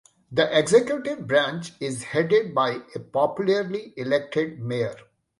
The executive branch is headed by a popularly elected mayor.